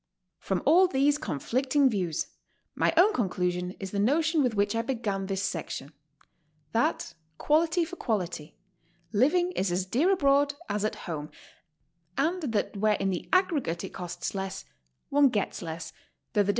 From all these conflicting views my own conclusion is the notion with which T began this section, that quality for quality, living is as dear abroad as at home, and that where in the aggregate it costs less, one gets less, though the de GOING ABROAD?